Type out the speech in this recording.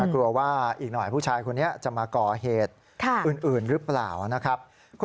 กลัวว่าอีกหน่อยผู้ชายคนนี้จะมาก่อเหตุอื่นหรือเปล่านะครับ